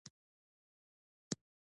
اثار، د محمد صديق پسرلي هندي سبک ته لنډه کتنه